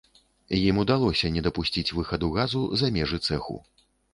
Ім удалося не дапусціць выхаду газу за межы цэху.